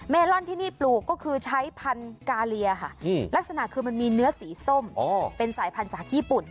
ลอนที่นี่ปลูกก็คือใช้พันธุ์กาเลียค่ะลักษณะคือมันมีเนื้อสีส้มเป็นสายพันธุ์จากญี่ปุ่น